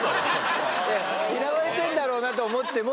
嫌われてんだろうなと思っても。